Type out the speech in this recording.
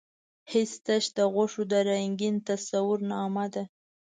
حسن تش د غوښو د رنګین تصویر نامه نۀ ده.